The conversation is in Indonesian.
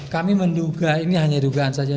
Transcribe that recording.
kami menduga ini hanya dugaan saja